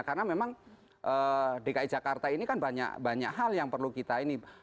karena memang dki jakarta ini kan banyak hal yang perlu kita ini